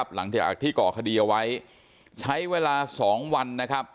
หลังจากที่ก่อคดีเอาไว้ใช้เวลา๒วันนะครับ